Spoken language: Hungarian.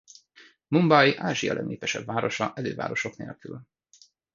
Mumbai Ázsia legnépesebb városa elővárosok nélkül.